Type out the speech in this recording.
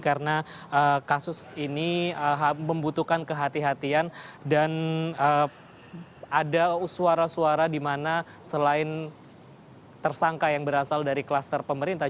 karena kasus ini membutuhkan kehatian dan ada suara suara di mana selain tersangka yang berasal dari kluster pemerintah